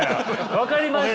分かりました？